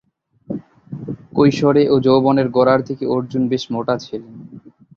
কৈশোরে ও যৌবনের গোড়ার দিকে অর্জুন বেশ মোটা ছিলেন।